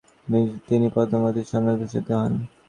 তিনি ‘পদ্মাবতী’ স্বর্ণপদকে ভূষিত হন।